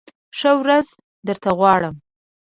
ښه ورځ درته غواړم !